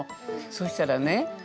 そしたらね